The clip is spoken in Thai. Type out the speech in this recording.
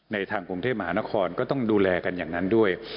ทางกรุงเทพมหานครก็ต้องดูแลกันอย่างนั้นด้วย